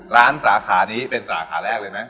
ร้านสาขานี้เป็นสาขาแรกเลยมั้ย